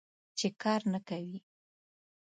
چې کار نه کوې.